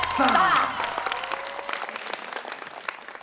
สวัสดีครับ